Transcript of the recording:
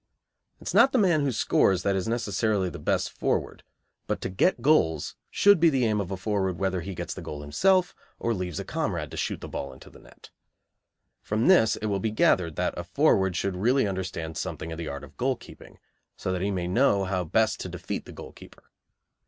It is not the man who scores that is necessarily the best forward, but to get goals should be the aim of a forward whether he gets the goal himself or leaves a comrade to shoot the ball into the net. From this it will be gathered that a forward should really understand something of the art of goalkeeping, so that he may know how best to defeat the goalkeeper.